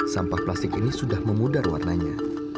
sampah plastik ini sudah memudar warnanya